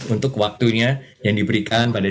untuk waktunya yang diberikan pada